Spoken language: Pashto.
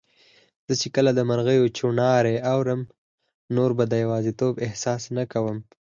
زه چي کله د مرغیو چوڼاری اورم، نو به د یوازیتوب احساس نه کوم